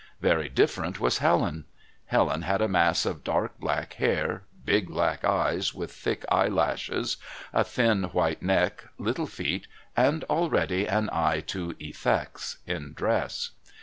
Very different was Helen. Helen had a mass of dark black hair, big black eyes with thick eye lashes, a thin white neck, little feet, and already an eye to "effects" in dress.